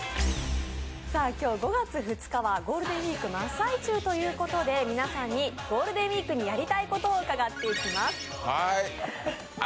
今日５月２日はゴールデンウイーク真っ最中ということで、皆さんにゴールデンウイークにやりたいことを伺っていきます。